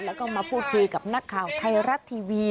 แล้วก็มาพูดคุยกับนักข่าวไทยรัฐทีวี